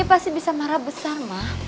dia pasti bisa marah besar ma